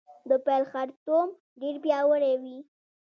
د پیل خرطوم ډیر پیاوړی وي